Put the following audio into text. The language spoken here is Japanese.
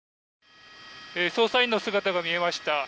捜査員の姿が見えました。